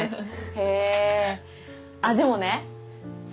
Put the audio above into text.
へえーあっでもねあっ